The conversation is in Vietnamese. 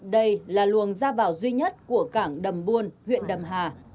đây là luồng ra vào duy nhất của cảng đầm buôn huyện đầm hà